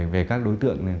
về các đối tượng